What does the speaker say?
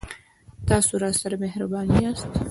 تاسو راسره مهربان یاست